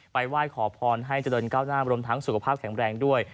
ไปไหว้ขอพรให้จัดลณ์ก้าวหน้าบรมถังสุขภาพแข็งแรงด้วย